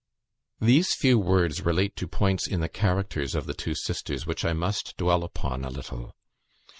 These few words relate to points in the characters of the two sisters, which I must dwell upon a little.